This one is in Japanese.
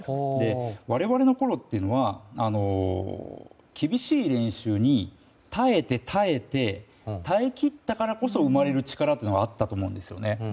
我々のころというのは厳しい練習に耐えて、耐えて耐えきったからこそ生まれる力というのがあったと思うんですよね。